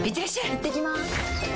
いってきます！